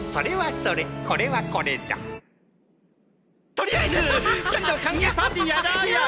とりあえず二人の歓迎パーティやろうよッ！